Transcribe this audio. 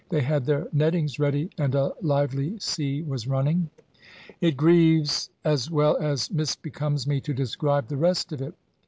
They had their nettings ready, and a lively sea was running. It grieves as well as misbecomes me to describe the rest of it.